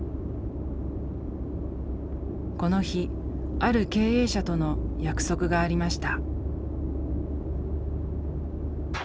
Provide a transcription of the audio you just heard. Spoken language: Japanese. この日ある経営者との約束がありました。